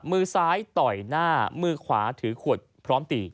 มือซ้ายต่อยหน้ามือขวาถือขวดพร้อมตี